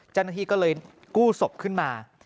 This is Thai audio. จันทีก็เลยกู้ศพขึ้นมา